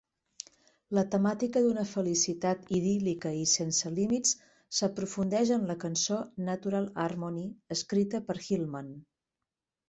La temàtica d'una felicitat idíl·lica i sense límits s'aprofundeix en la cançó "Natural Harmony", escrita per Hillman.